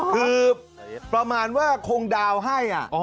คือประมาณว่าคงดาวให้อ่ะ